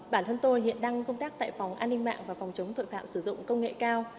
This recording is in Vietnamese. bản thân tôi hiện đang công tác tại phòng an ninh mạng và phòng chống tội phạm sử dụng công nghệ cao